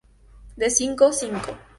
De cinco, cinco.